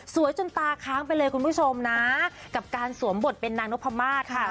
จนตาค้างไปเลยคุณผู้ชมนะกับการสวมบทเป็นนางนพมาศค่ะ